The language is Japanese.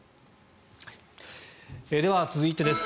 では、続いてです。